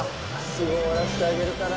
すぐ終わらしてあげるから。